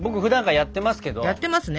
やってますね。